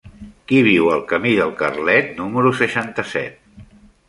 Qui viu al camí del Carlet número seixanta-set?